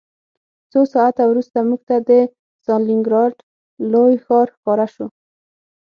څو ساعته وروسته موږ ته د ستالینګراډ لوی ښار ښکاره شو